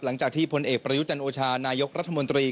หลังจากที่พลเอกประยุจันโอชานายกรัฐมนตรี